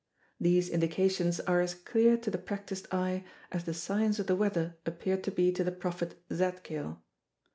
These indications are as clear to the practised eye as the signs of the weather appear to be to the prophet Zadkiel.